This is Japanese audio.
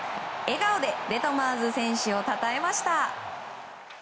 笑顔でデトマーズ選手をたたえました。